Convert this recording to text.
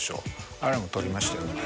あれも撮りましたよ